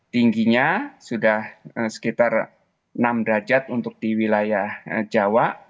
tingginya sudah sekitar enam derajat untuk di wilayah jawa